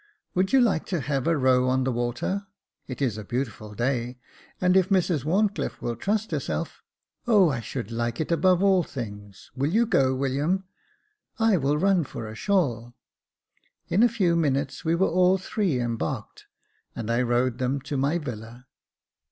" Would you like to have a row on the water ? It is a beautiful day, and if Mrs WharncliiFe will trust herself "" Oh ! I should like it above all things. Will you go, William ? I will run for a shawl." In a few minutes we were all three embarked, and I rowed them to my villa.